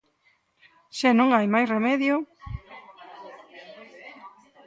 ¡Se non hai máis remedio!